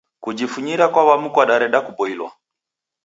Kujifunyira kwa wam'u kwadareda kuboilwa.